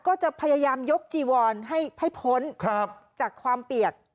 ก็จะพยายามยกจีวอนให้พ้นจากความเปียก